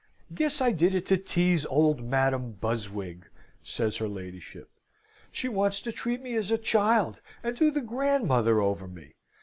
"Guess I did it to tease old Madam Buzwig," says her ladyship. She wants to treat me as a child, and do the grandmother over me.